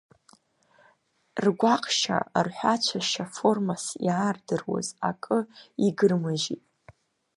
Ргәаҟшьа рҳәацәашьа формас иаардыруаз акы игыр-мыжьит.